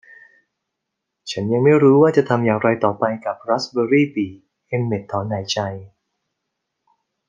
ฉันยังไม่รู้ว่าจะทำอย่างไรต่อไปกับราสเบอร์รี่ปี่เอ็มเม็ตต์ถอนหายใจ